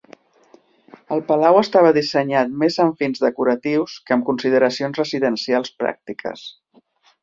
El palau estava dissenyat més amb fins decoratius que amb consideracions residencials pràctiques.